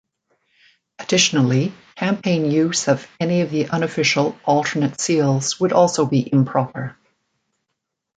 Additionally, campaign use of any of the unofficial, alternate seals would also be improper.